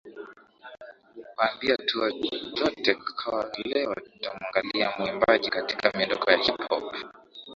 wambia tuwe zote kwa leo nitamwangalia muimbaji katika miondoko ya hip hop